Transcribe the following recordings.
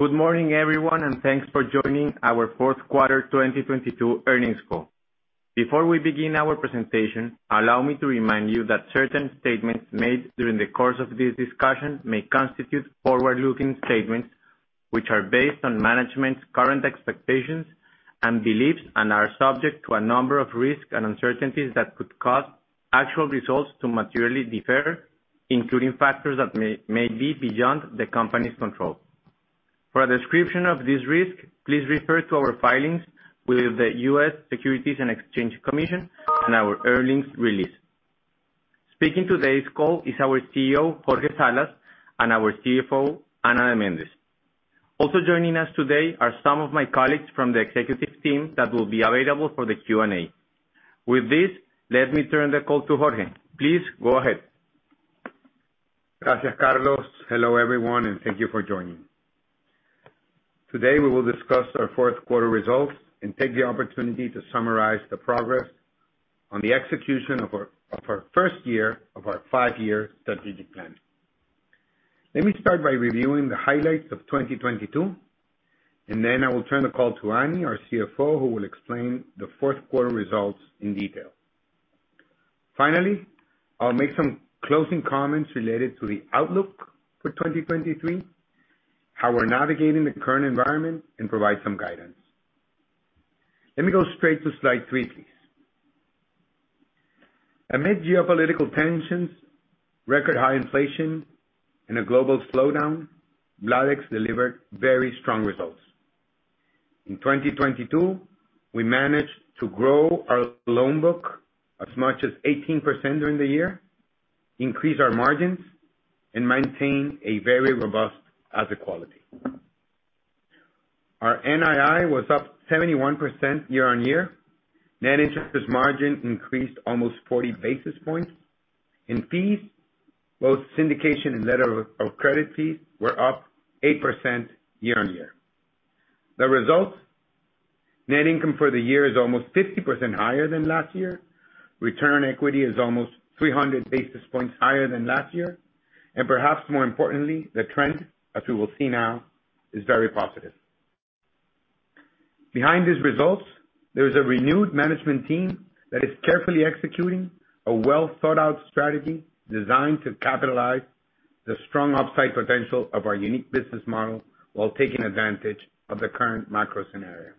Good morning, everyone, thanks for joining our Fourth Quarter 2022 Earnings Call. Before we begin our presentation, allow me to remind you that certain statements made during the course of this discussion may constitute forward-looking statements which are based on management's current expectations and beliefs and are subject to a number of risks and uncertainties that could cause actual results to materially differ, including factors that may be beyond the company's control. For a description of this risk, please refer to our filings with the U.S. Securities and Exchange Commission and our earnings release. Speaking today's call is our CEO, Jorge Salas, and our CFO, Ana de Méndez. Also joining us today are some of my colleagues from the executive team that will be available for the Q&A. With this, let me turn the call to Jorge. Please go ahead. Gracias, Carlos. Hello, everyone, thank you for joining. Today we will discuss our fourth quarter results and take the opportunity to summarize the progress on the execution of our first year of our five-year strategic plan. Let me start by reviewing the highlights of 2022, then I will turn the call to Annie, our CFO, who will explain the fourth quarter results in detail. Finally, I'll make some closing comments related to the outlook for 2023, how we're navigating the current environment, and provide some guidance. Let me go straight to Slide three, please. Amid geopolitical tensions, record high inflation, and a global slowdown, Bladex delivered very strong results. In 2022, we managed to grow our loan book as much as 18% during the year, increase our margins, and maintain a very robust asset quality. Our NII was up 71% year-on-year. Net interest margin increased almost 40 basis points. In fees, both syndication and letter of credit fees were up 8% year-on-year. The result, net income for the year is almost 50% higher than last year. Return on equity is almost 300 basis points higher than last year. Perhaps more importantly, the trend, as we will see now, is very positive. Behind these results, there is a renewed management team that is carefully executing a well-thought-out strategy designed to capitalize the strong upside potential of our unique business model while taking advantage of the current macro scenario.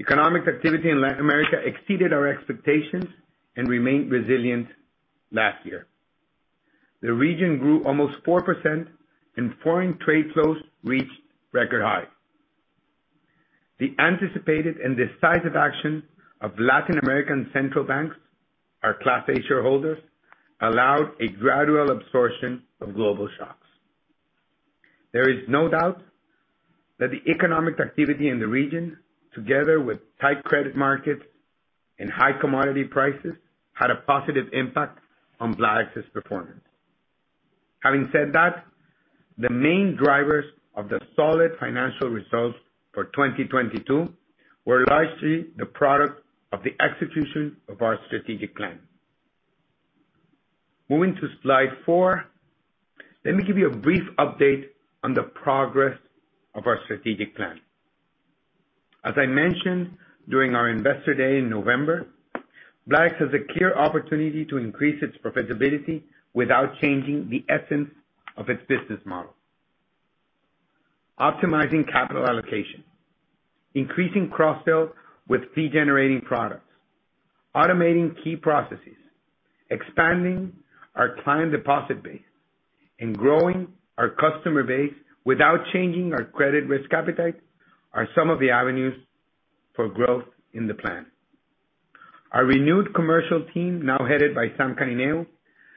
Economic activity in Latin America exceeded our expectations and remained resilient last year. The region grew almost 4%. Foreign trade flows reached record high. The anticipated and decisive action of Latin American central banks, our Class A shareholders, allowed a gradual absorption of global shocks. There is no doubt that the economic activity in the region, together with tight credit markets and high commodity prices, had a positive impact on Bladex's performance. Having said that, the main drivers of the solid financial results for 2022 were largely the product of the execution of our strategic plan. Moving to Slide four, let me give you a brief update on the progress of our strategic plan. As I mentioned during our investor day in November, Bladex has a clear opportunity to increase its profitability without changing the essence of its business model. Optimizing capital allocation, increasing cross-sells with fee-generating products, automating key processes, expanding our client deposit base, and growing our customer base without changing our credit risk appetite are some of the avenues for growth in the plan. Our renewed commercial team, now headed by Sam Canineu,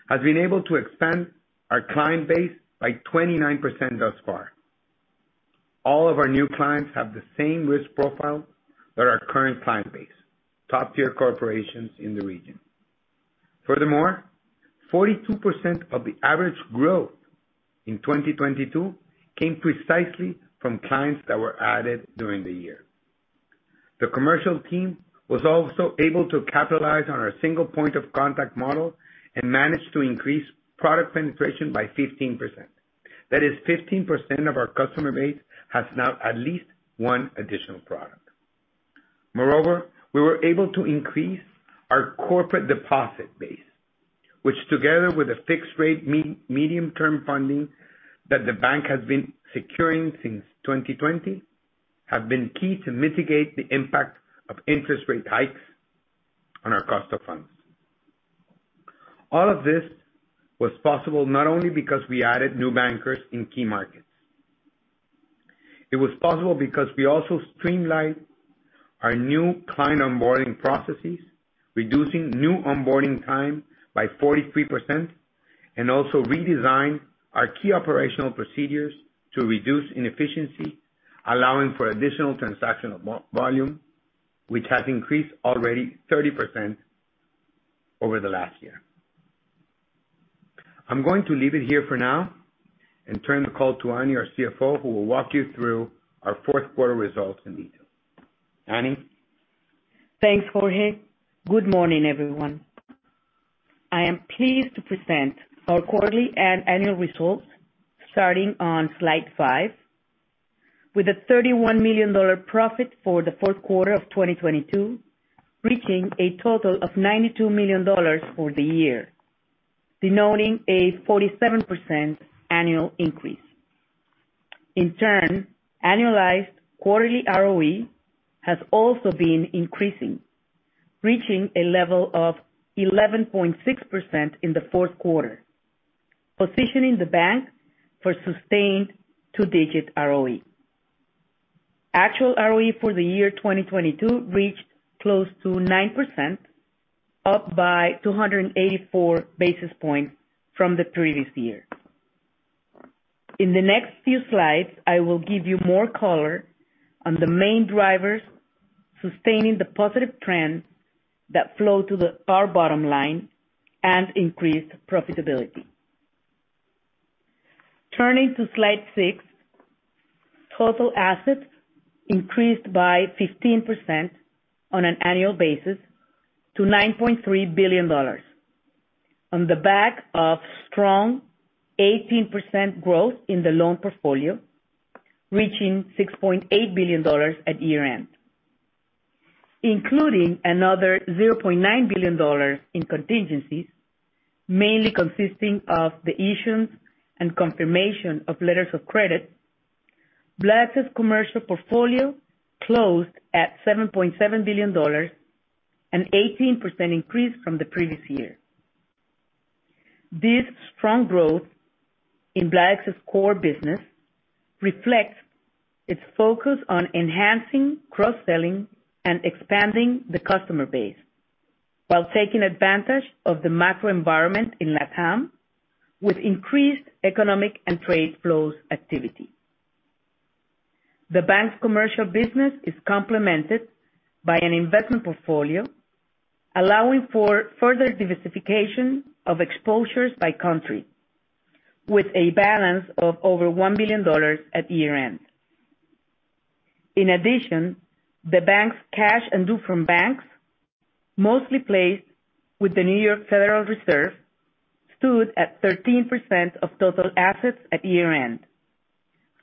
has been able to expand our client base by 29% thus far. All of our new clients have the same risk profile as our current client base, top-tier corporations in the region. Furthermore, 42% of the average growth in 2022 came precisely from clients that were added during the year. The commercial team was also able to capitalize on our single point of contact model and managed to increase product penetration by 15%. That is 15% of our customer base has now at least one additional product. Moreover, we were able to increase our corporate deposit base, which together with the fixed rate medium term funding that the bank has been securing since 2020, have been key to mitigate the impact of interest rate hikes on our cost of funds. All of this was possible not only because we added new bankers in key markets. It was possible because we also streamlined our new client onboarding processes, reducing new onboarding time by 43%, and also redesigned our key operational procedures to reduce inefficiency, allowing for additional transactional volume, which has increased already 30% over the last year. I'm going to leave it here for now and turn the call to Annie, our CFO, who will walk you through our fourth quarter results in detail. Annie? Thanks, Jorge. Good morning, everyone. I am pleased to present our quarterly and annual results starting on Slide five, with a $31 million profit for the fourth quarter of 2022, reaching a total of $92 million for the year, denoting a 47% annual increase. In turn, annualized quarterly ROE has also been increasing, reaching a level of 11.6% in the fourth quarter, positioning the bank for sustained two-digit ROE. Actual ROE for the year 2022 reached close to 9%, up by 284 basis points from the previous year. In the next few slides, I will give you more color on the main drivers sustaining the positive trends that flow to our bottom line and increase profitability. Turning to Slide six, total assets increased by 15% on an annual basis to $9.3 billion, on the back of strong 18% growth in the loan portfolio, reaching $6.8 billion at year-end. Including another $0.9 billion in contingencies, mainly consisting of the issuance and confirmation of letters of credit, Bladex commercial portfolio closed at $7.7 billion, an 18% increase from the previous year. This strong growth in Bladex's core business reflects its focus on enhancing cross-selling and expanding the customer base while taking advantage of the macro environment in LatAm with increased economic and trade flows activity. The bank's commercial business is complemented by an investment portfolio, allowing for further diversification of exposures by country with a balance of over $1 billion at year-end. In addition, the bank's cash and due from banks, mostly placed with the New York Federal Reserve, stood at 13% of total assets at year-end,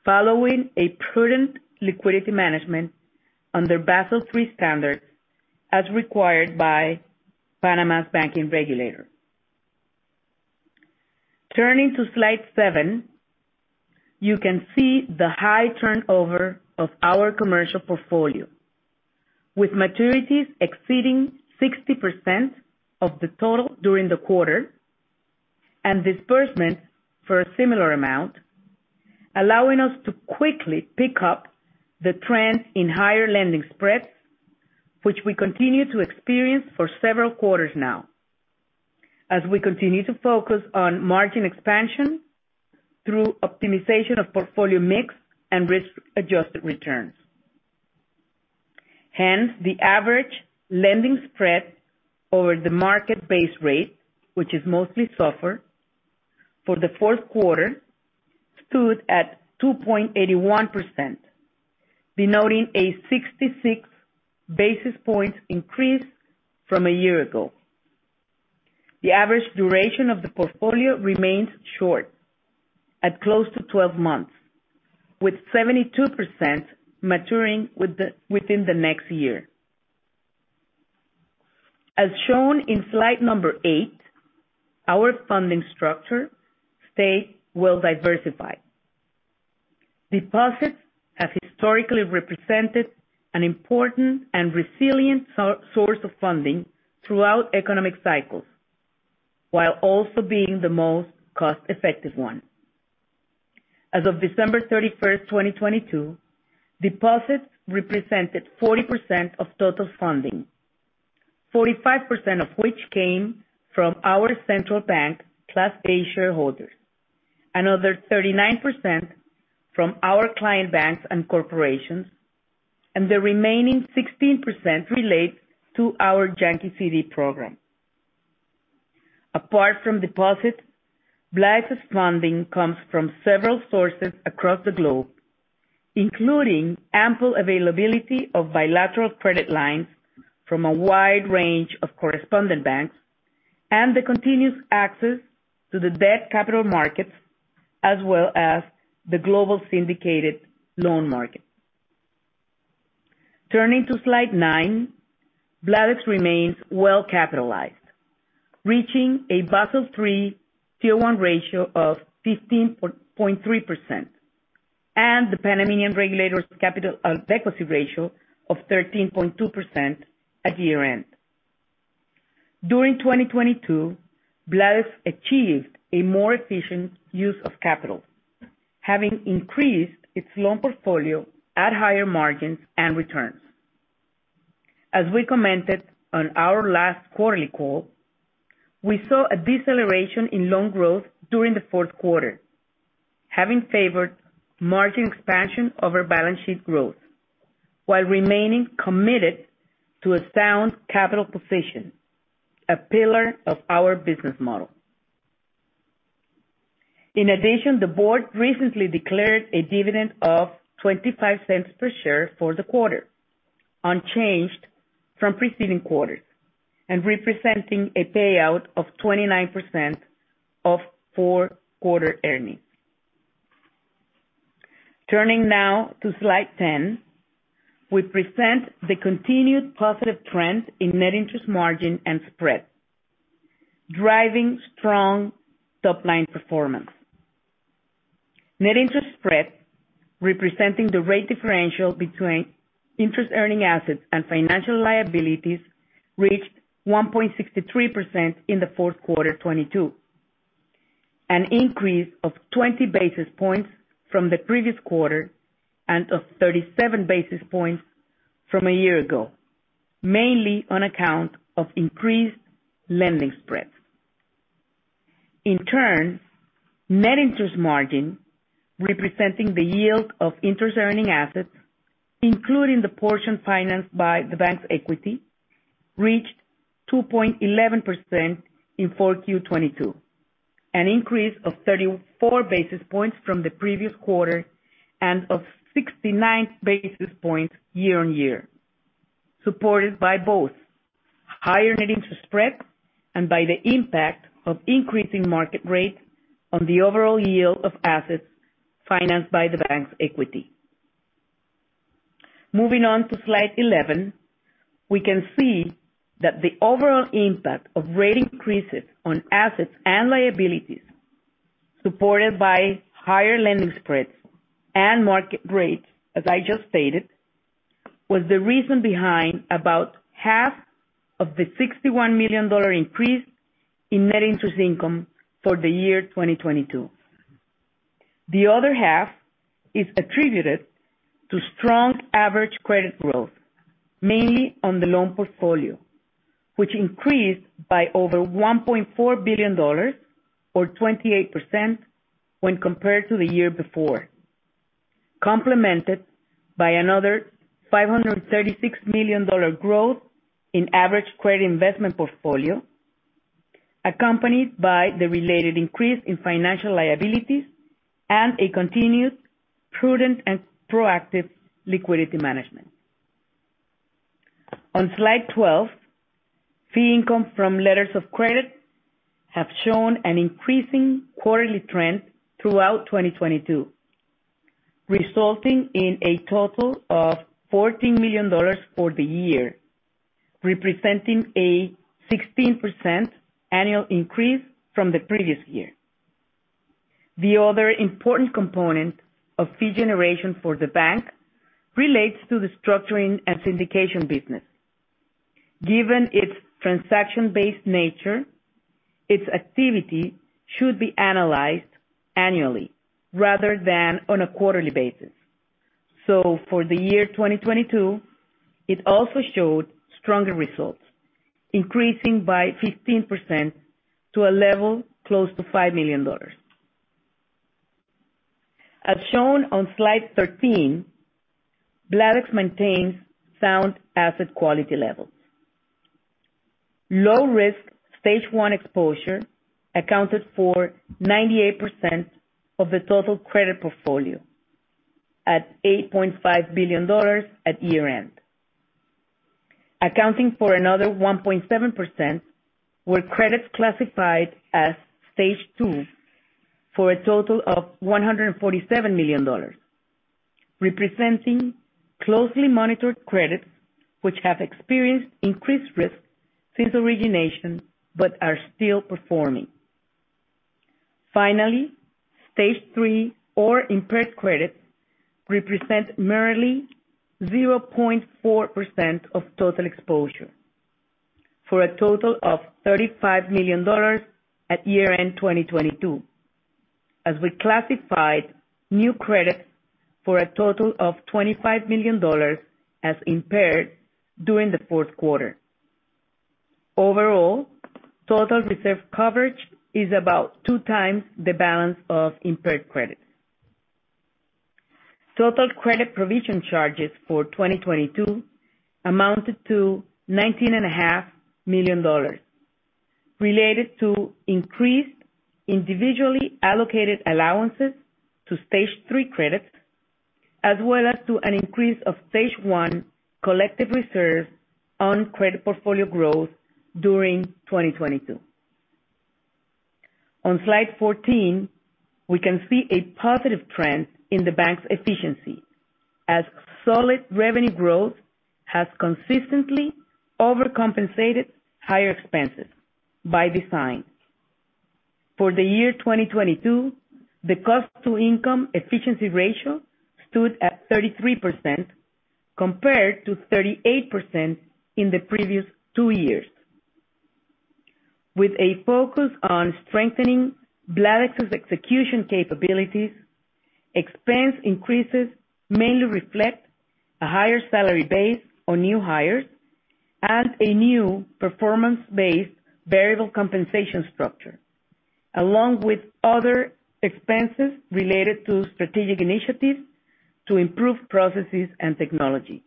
following a prudent liquidity management under Basel III standards as required by Panama's banking regulator. Turning to Slide seven, you can see the high turnover of our commercial portfolio, with maturities exceeding 60% of the total during the quarter and disbursement for a similar amount, allowing us to quickly pick up the trend in higher lending spreads, which we continue to experience for several quarters now, as we continue to focus on margin expansion through optimization of portfolio mix and risk-adjusted returns. Hence, the average lending spread over the market base rate, which is mostly SOFR, for the fourth quarter, stood at 2.81%, denoting a 66 basis points increase from a year ago. The average duration of the portfolio remains short at close to 12 months, with 72% maturing within the next year. As shown in Slide number eight, our funding structure stayed well-diversified. Deposits have historically represented an important and resilient source of funding throughout economic cycles, while also being the most cost-effective one. As of December 31st, 2022, deposits represented 40% of total funding, 45% of which came from our central bank Class A shareholders. Another 39% from our client banks and corporations, and the remaining 16% relates to our Yankee CD program. Apart from deposits, Bladex's funding comes from several sources across the globe, including ample availability of bilateral credit lines from a wide range of correspondent banks and the continuous access to the debt capital markets, as well as the global syndicated loan market. Turning to Slide nine, Bladex remains well-capitalized, reaching a Basel III Tier 1 ratio of 15.3%, and the Panamanian regulator's capital adequacy ratio of 13.2% at year-end. During 2022, Bladex achieved a more efficient use of capital, having increased its loan portfolio at higher margins and returns. As we commented on our last quarterly call, we saw a deceleration in loan growth during the fourth quarter, having favored margin expansion over balance sheet growth while remaining committed to a sound capital position, a pillar of our business model. The board recently declared a dividend of $0.25 per share for the quarter, unchanged from preceding quarters, and representing a payout of 29% of fourth quarter earnings. Turning now to Slide 10, we present the continued positive trend in Net Interest Margin and spread, driving strong top-line performance. Net Interest Spread, representing the rate differential between interest earning assets and financial liabilities, reached 1.63% in the fourth quarter 2022. An increase of 20 basis points from the previous quarter and of 37 basis points from a year ago, mainly on account of increased lending spreads. In turn, Net Interest Margin, representing the yield of interest earning assets, including the portion financed by the bank's equity, reached 2.11% in 4Q 2022. An increase of 34 basis points from the previous quarter and of 69 basis points year-on-year, supported by both higher Net Interest Spreads and by the impact of increasing market rates on the overall yield of assets financed by the bank's equity. Moving on to Slide 11, we can see that the overall impact of rate increases on assets and liabilities, supported by higher lending spreads and market rates, as I just stated, was the reason behind about half of the $61 million increase in net interest income for the year 2022. The other half is attributed to strong average credit growth, mainly on the loan portfolio, which increased by over $1.4 billion or 28% when compared to the year before. Complemented by another $536 million growth in average credit investment portfolio, accompanied by the related increase in financial liabilities and a continued prudent and proactive liquidity management. On Slide 12, fee income from letters of credit have shown an increasing quarterly trend throughout 2022, resulting in a total of $14 million for the year, representing a 16% annual increase from the previous year. The other important component of fee generation for the bank relates to the structuring and syndication business. Given its transaction-based nature, its activity should be analyzed annually rather than on a quarterly basis. For the year 2022, it also showed stronger results, increasing by 15% to a level close to $5 million. As shown on Slide 13, Bladex maintains sound asset quality levels. Low risk Stage one exposure accounted for 98% of the total credit portfolio at $8.5 billion at year-end. Accounting for another 1.7% were credits classified as Stage two for a total of $147 million, representing closely monitored credits which have experienced increased risk since origination but are still performing. Stage three or impaired credits represent merely 0.4% of total exposure for a total of $35 million at year-end 2022 as we classified new credits for a total of $25 million as impaired during the fourth quarter. Overall, total reserve coverage is about 2x the balance of impaired credits. Total credit provision charges for 2022 amounted to $19.5 million related to increased individually allocated allowances to Stage three credits, as well as to an increase of Stage one collective reserve on credit portfolio growth during 2022. On Slide 14, we can see a positive trend in the bank's efficiency as solid revenue growth has consistently over compensated higher expenses by design. For the year 2022, the cost to income efficiency ratio stood at 33%, compared to 38% in the previous two years. With a focus on strengthening Bladex's execution capabilities, expense increases mainly reflect a higher salary base on new hires and a new performance-based variable compensation structure, along with other expenses related to strategic initiatives to improve processes and technology.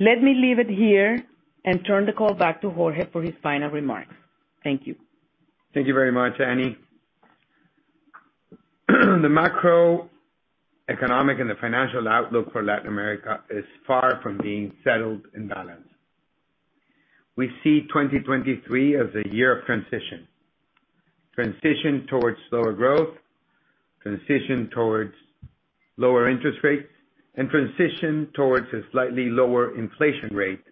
Let me leave it here and turn the call back to Jorge for his final remarks. Thank you. Thank you very much, Annie. The macroeconomic and the financial outlook for Latin America is far from being settled and balanced. We see 2023 as a year of transition. Transition towards slower growth, transition towards lower interest rates, and transition towards a slightly lower inflation rate,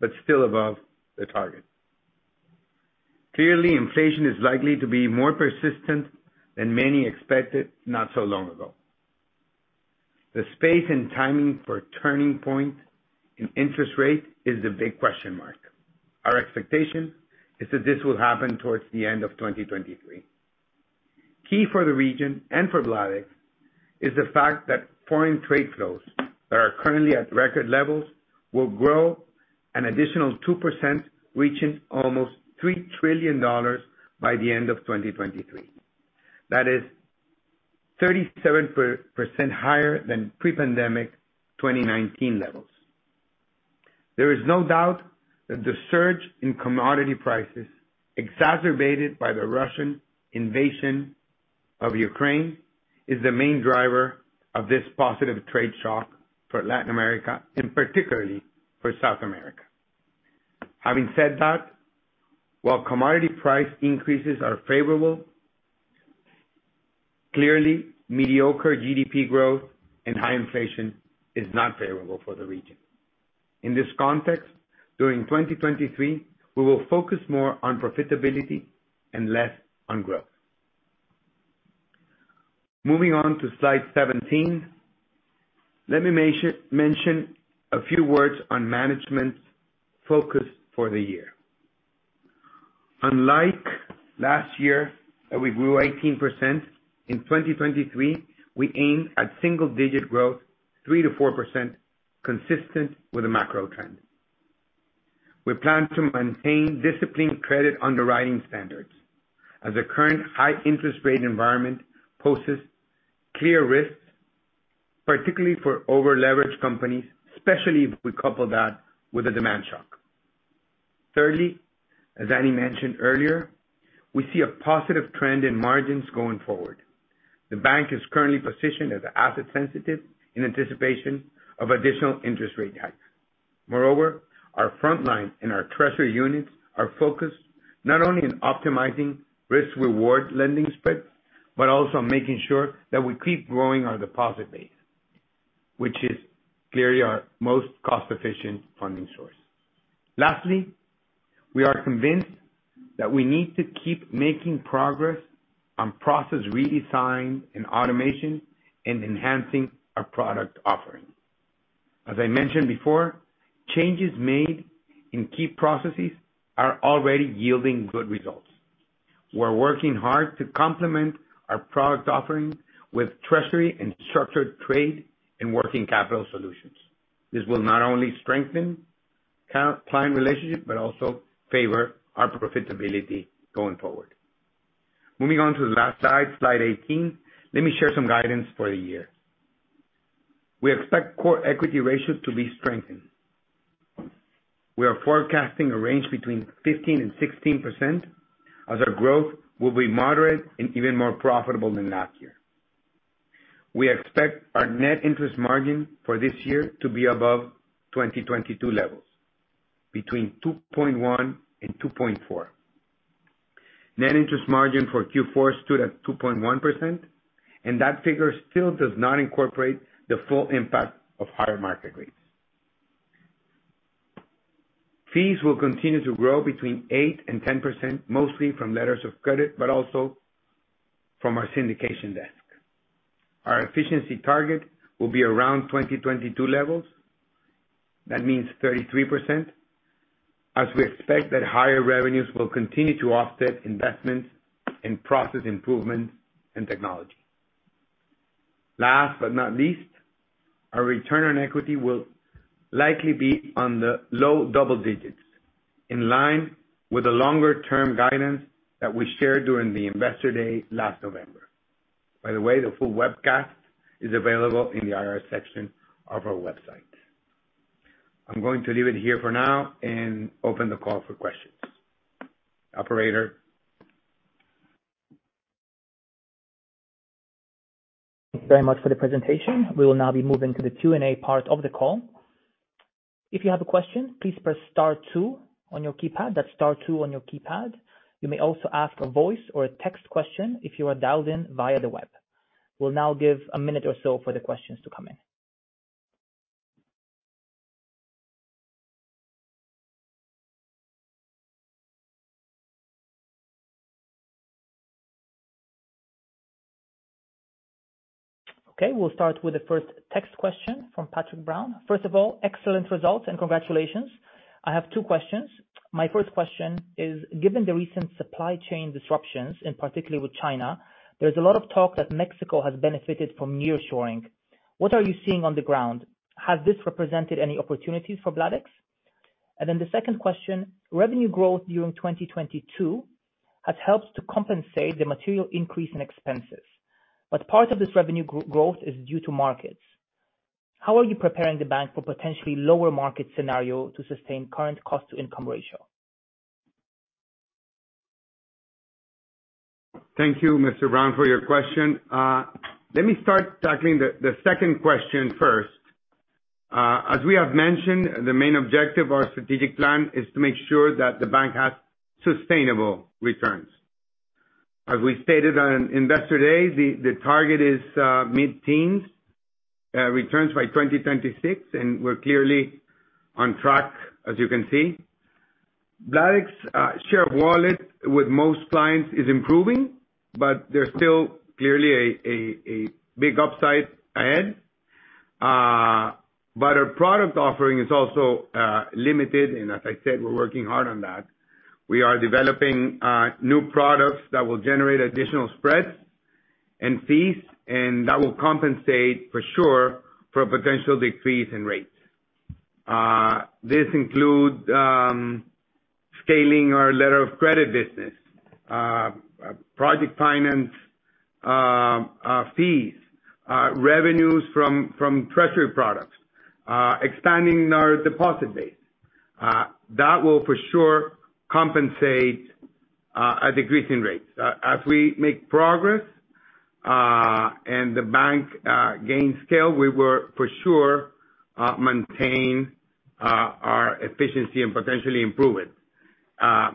but still above the target. Clearly, inflation is likely to be more persistent than many expected not so long ago. The space and timing for a turning point in interest rates is a big question mark. Our expectation is that this will happen towards the end of 2023. Key for the region and for Bladex is the fact that foreign trade flows that are currently at record levels will grow an additional 2%, reaching almost $3 trillion by the end of 2023. That is 37% higher than pre-pandemic 2019 levels. There is no doubt that the surge in commodity prices, exacerbated by the Russian invasion of Ukraine, is the main driver of this positive trade shock for Latin America, and particularly for South America. Having said that, while commodity price increases are favorable, clearly mediocre GDP growth and high inflation is not favorable for the region. In this context, during 2023, we will focus more on profitability and less on growth. Moving on to Slide 17. Let me mention a few words on management's focus for the year. Unlike last year, that we grew 18%, in 2023, we aim at single-digit growth, 3%-4%, consistent with the macro trend. We plan to maintain disciplined credit underwriting standards as the current high interest rate environment poses clear risks, particularly for over-leveraged companies, especially if we couple that with a demand shock. Thirdly, as Annie mentioned earlier, we see a positive trend in margins going forward. The bank is currently positioned as asset sensitive in anticipation of additional interest rate hikes. Moreover, our frontline and our treasury units are focused not only on optimizing risk-reward lending spreads, but also making sure that we keep growing our deposit base, which is clearly our most cost-efficient funding source. Lastly, we are convinced that we need to keep making progress on process redesign and automation, and enhancing our product offering. As I mentioned before, changes made in key processes are already yielding good results. We're working hard to complement our product offering with treasury and structured trade and working capital solutions. This will not only strengthen client relationships, but also favor our profitability going forward. Moving on to the last Slide 18, let me share some guidance for the year. We expect core equity ratio to be strengthened. We are forecasting a range between 15% and 16% as our growth will be moderate and even more profitable than last year. We expect our Net Interest Margin for this year to be above 2022 levels, between 2.1% and 2.4%. Net Interest Margin for Q4 stood at 2.1%. That figure still does not incorporate the full impact of higher market rates. Fees will continue to grow between 8% and 10%, mostly from letters of credit, but also from our syndication desk. Our efficiency target will be around 2022 levels. That means 33%, as we expect that higher revenues will continue to offset investments in process improvement and technology. Last but not least, our return on equity will likely be on the low double digits, in line with the longer-term guidance that we shared during the investor day last November. By the way, the full webcast is available in the IR section of our website. I'm going to leave it here for now and open the call for questions. Operator? Thank you very much for the presentation. We will now be moving to the Q&A part of the call. If you have a question, please press star two on your keypad. That's star two on your keypad. You may also ask a voice or a text question if you are dialed in via the web. We'll now give a minute or so for the questions to come in. We'll start with the first text question from Patrick Brown. First of all, excellent results, and congratulations. I have two questions. My first question is, given the recent supply chain disruptions, and particularly with China, there's a lot of talk that Mexico has benefited from nearshoring. What are you seeing on the ground? Has this represented any opportunities for Bladex? The second question. Revenue growth during 2022 has helped to compensate the material increase in expenses, but part of this revenue growth is due to markets. How are you preparing the bank for potentially lower market scenario to sustain current cost-to-income ratio? Thank you, Mr. Brown, for your question. Let me start tackling the second question first. As we have mentioned, the main objective of our strategic plan is to make sure that the bank has sustainable returns. As we stated on Investor Day, the target is mid-teens returns by 2026, and we're clearly on track, as you can see. Bladex share wallet with most clients is improving, but there's still clearly a big upside ahead. Our product offering is also limited, and as I said, we're working hard on that. We are developing new products that will generate additional spreads and fees, and that will compensate for sure for a potential decrease in rates. This includes scaling our letter of credit business, project finance, fees, revenues from treasury products, expanding our deposit base. That will for sure compensate a decrease in rates. As we make progress and the bank gains scale, we will for sure maintain our efficiency and potentially improve it. I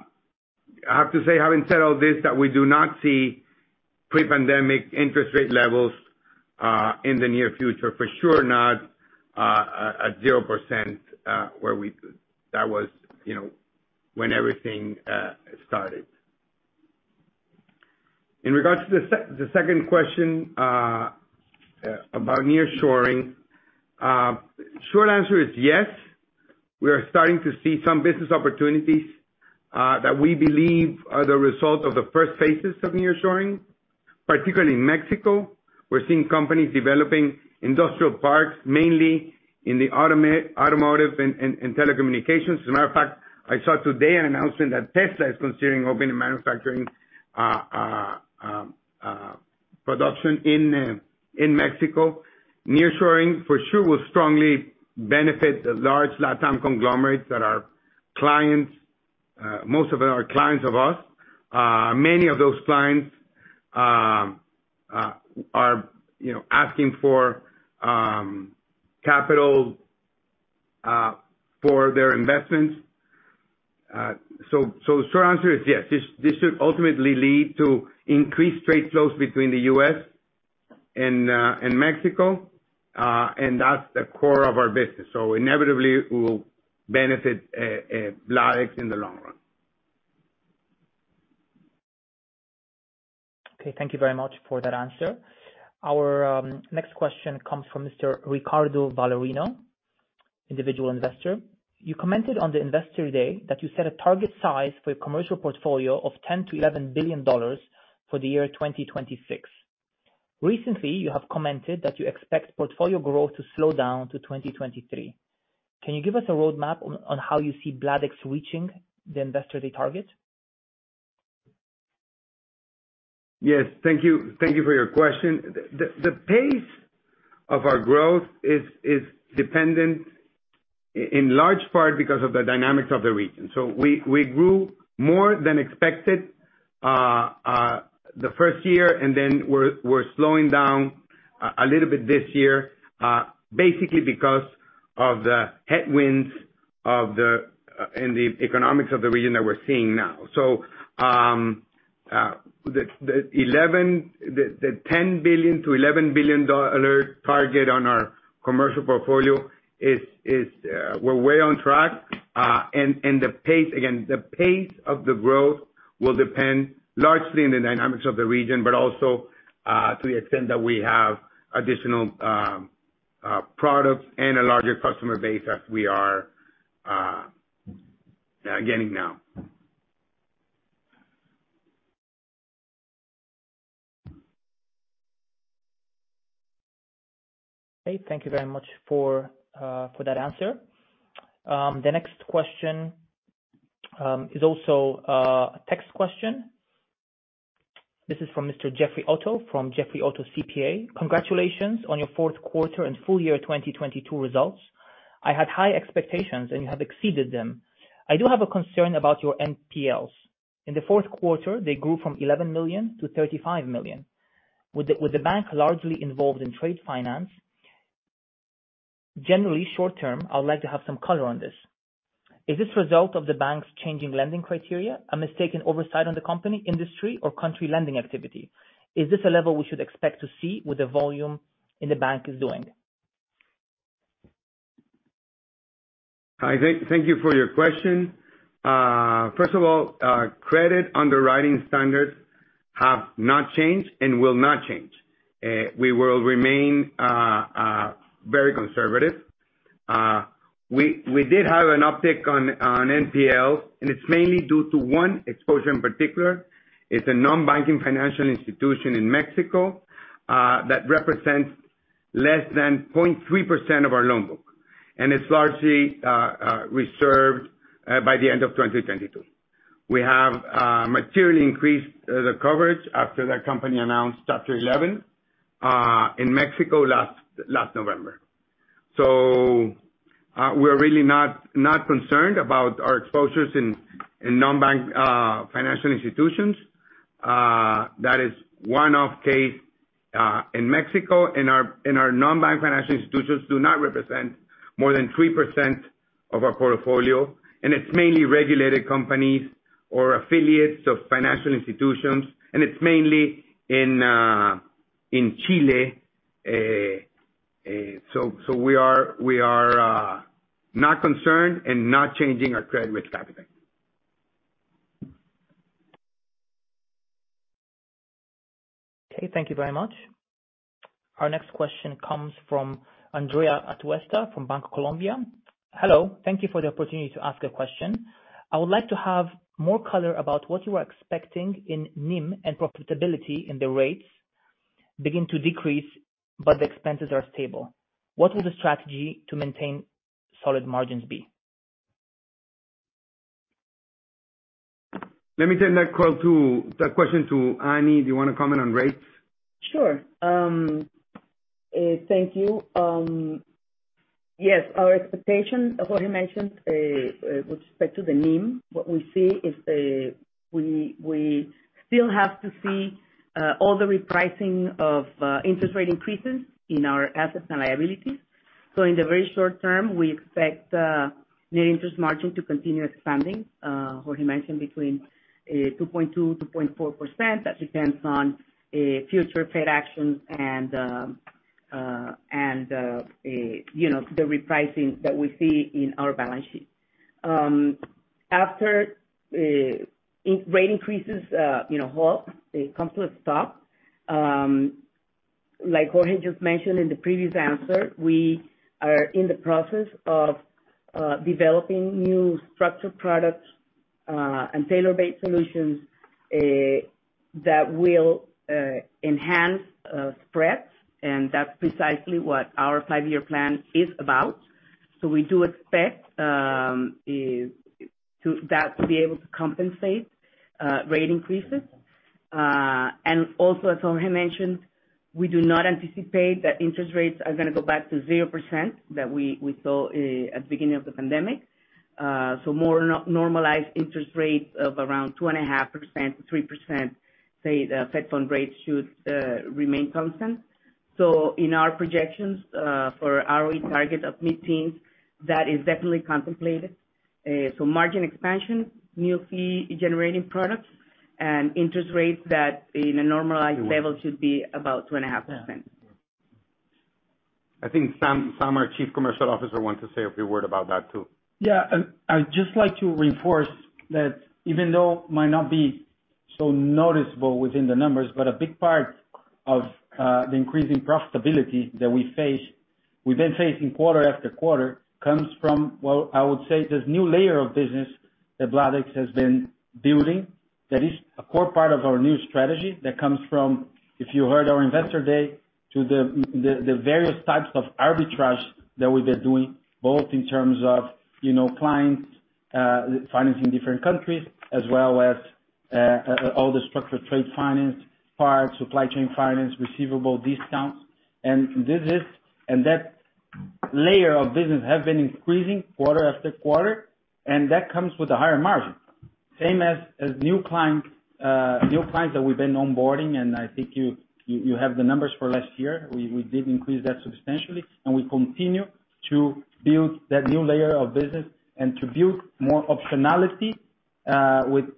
have to say, having said all this, that we do not see pre-pandemic interest rate levels in the near future, for sure not at 0%. That was, you know, when everything started. In regards to the second question about nearshoring. Short answer is yes, we are starting to see some business opportunities that we believe are the result of the first phases of nearshoring, particularly in Mexico. We're seeing companies developing industrial parks, mainly in the automotive and telecommunications. As a matter of fact, I saw today an announcement that Tesla is considering opening manufacturing production in Mexico. Nearshoring for sure will strongly benefit the large LatAm conglomerates that are clients, most of them are clients of us. Many of those clients are, you know, asking for capital for their investments. Short answer is yes. This should ultimately lead to increased trade flows between the U.S. and Mexico, and that's the core of our business. Inevitably it will benefit Bladex in the long run. Okay, thank you very much for that answer. Our next question comes from Mr. Ricardo [Ballerino], individual investor. You commented on the Investor Day that you set a target size for your commercial portfolio of $10 billion-$11 billion for the year 2026. Recently, you have commented that you expect portfolio growth to slow down to 2023. Can you give us a roadmap on how you see Bladex reaching the Investor Day target? Yes. Thank you. Thank you for your question. The pace of our growth is dependent in large part because of the dynamics of the region. We grew more than expected the first year, and then we're slowing down a little bit this year, basically because of the headwinds of the... And the economics of the region that we're seeing now. The 11... The $10 billion-$11 billion target on our commercial portfolio is, we're way on track. And the pace, again, the pace of the growth will depend largely on the dynamics of the region, but also to the extent that we have additional products and a larger customer base as we are getting now. Okay, thank you very much for that answer. The next question is also a text question. This is from Mr. Jeffrey Otto from Jeffrey Otto, CPA. Congratulations on your fourth quarter and full year 2022 results. I had high expectations, and you have exceeded them. I do have a concern about your NPLs. In the fourth quarter, they grew from $11 million-$35 million. With the bank largely involved in trade finance, generally short term, I would like to have some color on this. Is this result of the bank's changing lending criteria? A mistaken oversight on the company, industry or country lending activity? Is this a level we should expect to see with the volume and the bank is doing? Hi, thank you for your question. First of all, credit underwriting standards have not changed and will not change. We will remain very conservative. We did have an uptick on NPL, and it's mainly due to one exposure in particular. It's a non-banking financial institution in Mexico that represents less than 0.3% of our loan book, and it's largely reserved by the end of 2022. We have materially increased the coverage after that company announced Chapter 11 in Mexico last November. We're really not concerned about our exposures in non-bank financial institutions. Uh, that is one off case, uh, in Mexico, and our, and our non-bank financial institutions do not represent more than 3% of our portfolio, and it's mainly regulated companies or affiliates of financial institutions, and it's mainly in, uh, in Chile. Uh, uh, so, so we are, we are, uh, not concerned and not changing our credit risk appetite. Okay, thank you very much. Our next question comes from Andrea Atuesta from Bancolombia. Hello. Thank you for the opportunity to ask a question. I would like to have more color about what you are expecting in NIM and profitability, the rates begin to decrease, but the expenses are stable. What will the strategy to maintain solid margins be? Let me turn that question to Annie. Do you wanna comment on rates? Sure. Thank you. Yes, our expectation, as Jorge mentioned, with respect to the NIM, what we see is. We still have to see all the repricing of interest rate increases in our assets and liabilities. In the very short term, we expect Net Interest Margin to continue expanding. Jorge mentioned between 2.2%-2.4%. That depends on future Fed actions and, you know, the repricing that we see in our balance sheet. After rate increases, you know, halt, it comes to a stop. Like Jorge just mentioned in the previous answer, we are in the process of developing new structured products and tailor-made solutions that will enhance spreads, and that's precisely what our five-year plan is about. We do expect that to be able to compensate rate increases. Also, as Jorge mentioned, we do not anticipate that interest rates are gonna go back to 0% that we saw at the beginning of the pandemic. More normalized interest rates of around 2.5%-3%, say, the federal funds rate should remain constant. In our projections, for ROE target of mid-teens, that is definitely contemplated. Margin expansion, new fee generating products and interest rates that in a normalized level should be about 2.5%. I think Sam, our Chief Commercial Officer wants to say a few word about that too. Yeah. I'd just like to reinforce that even though it might not be so noticeable within the numbers, but a big part of the increasing profitability that we face, we've been facing quarter after quarter, comes from, well, I would say this new layer of business that Bladex has been building that is a core part of our new strategy that comes from, if you heard our Investor Day, to the various types of arbitrage that we've been doing, both in terms of, you know, clients, financing different countries as well as all the structured trade finance part, supply chain finance, receivable discounts. That layer of business has been increasing quarter after quarter, and that comes with a higher margin. Same as new clients that we've been onboarding, and I think you have the numbers for last year. We did increase that substantially, and we continue to build that new layer of business and to build more optionality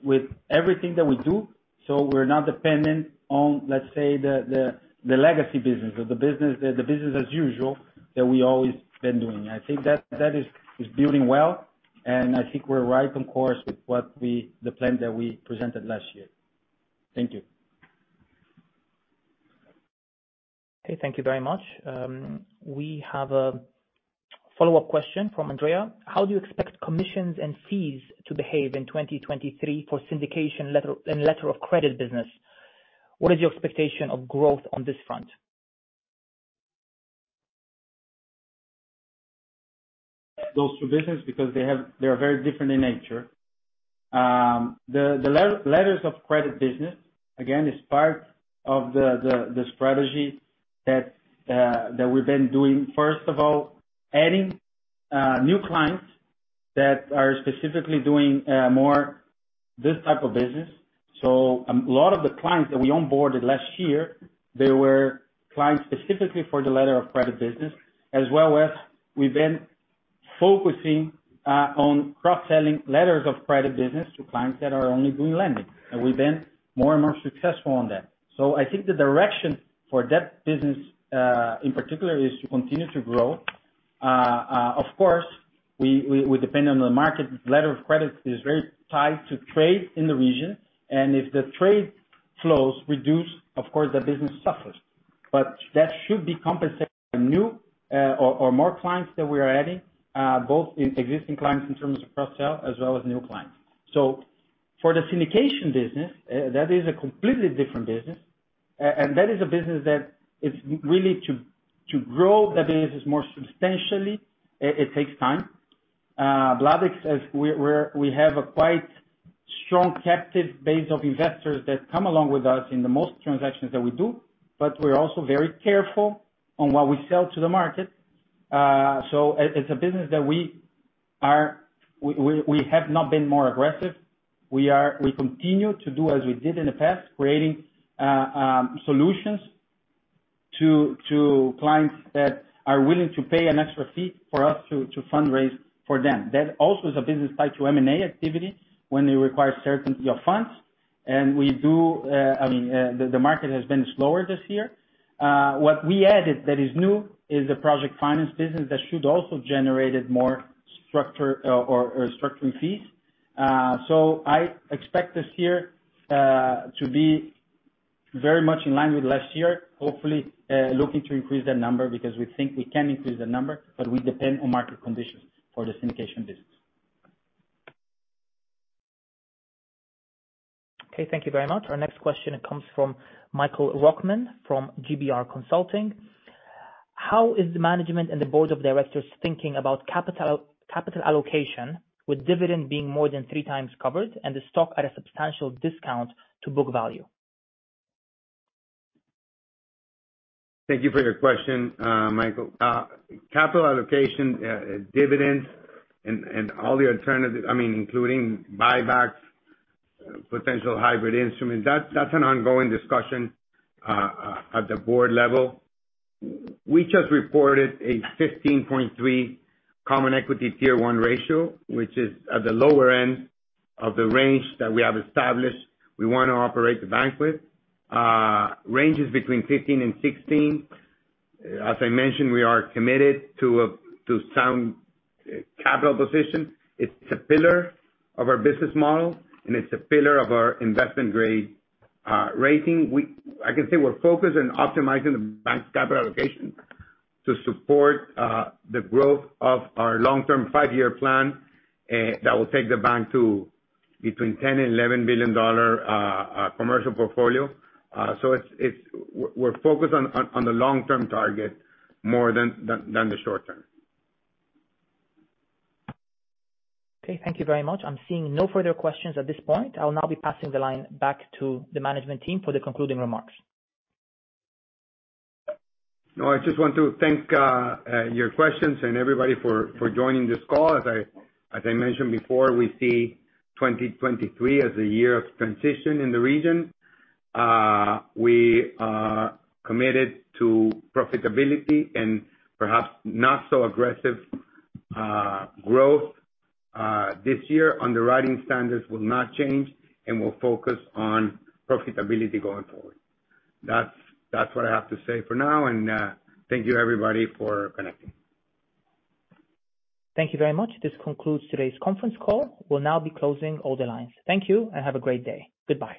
with everything that we do, so we're not dependent on, let's say, the legacy business or the business as usual that we always been doing. I think that is building well, and I think we're right on course with The plan that we presented last year. Thank you. Okay, thank you very much. We have a follow-up question from Andrea Atuesta. How do you expect commissions and fees to behave in 2023 for syndication letter and letter of credit business? What is your expectation of growth on this front? Those two business because they are very different in nature. The letters of credit business, again, is part of the strategy that we've been doing. First of all, adding new clients that are specifically doing more this type of business. A lot of the clients that we onboarded last year, they were clients specifically for the letter of credit business, as well as we've been focusing on cross-selling letters of credit business to clients that are only doing lending. We've been more and more successful on that. I think the direction for that business, in particular, is to continue to grow. Of course, we depend on the market. Letter of credit is very tied to trade in the region, and if the trade flows reduce, of course, the business suffers. That should be compensated by new, or more clients that we are adding, both in existing clients in terms of cross-sell as well as new clients. For the syndication business, that is a completely different business. That is a business that is really to grow the business more substantially. It takes time. Bladex as we have a quite strong captive base of investors that come along with us in the most transactions that we do, but we're also very careful on what we sell to the market. It's a business that we are... We have not been more aggressive. We continue to do as we did in the past, creating, solutions to clients that are willing to pay an extra fee for us to fundraise for them. That also is a business tied to M&A activity when they require certainty of funds. We do, I mean, the market has been slower this year. What we added that is new is the project finance business that should also generated more structure or structuring fees. I expect this year to be very much in line with last year. Hopefully, looking to increase that number because we think we can increase the number, but we depend on market conditions for the syndication business. Okay, thank you very much. Our next question comes from Michael Rockman, from GBR Consulting. How is the management and the board of directors thinking about capital allocation with dividend being more than 3x covered and the stock at a substantial discount to book value? Thank you for your question, Michael. Capital allocation, dividends and all the alternative... I mean, including buybacks, potential hybrid instruments, that's an ongoing discussion at the board level. We just reported a 15.3% Common Equity Tier 1 ratio, which is at the lower end of the range that we have established we wanna operate the bank with. Range is between 15% and 16%. As I mentioned, we are committed to sound capital position. It's a pillar of our business model, and it's a pillar of our investment grade rating. I can say we're focused on optimizing the bank's capital allocation to support the growth of our long-term 5-year plan that will take the bank to between $10 billion and $11 billion commercial portfolio. It's... We're focused on the long-term target more than the short term. Okay, thank you very much. I'm seeing no further questions at this point. I'll now be passing the line back to the management team for the concluding remarks. No, I just want to thank your questions and everybody for joining this call. As I mentioned before, we see 2023 as a year of transition in the region. We are committed to profitability and perhaps not so aggressive growth this year. Underwriting standards will not change, and we'll focus on profitability going forward. That's what I have to say for now, and thank you everybody for connecting. Thank you very much. This concludes today's conference call. We'll now be closing all the lines. Thank you and have a great day. Goodbye.